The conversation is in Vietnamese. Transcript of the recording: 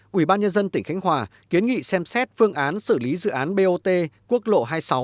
quỹ ban nhân dân tỉnh khánh hòa kiến nghị xem xét phương án xử lý dự án bot quốc lộ hai mươi sáu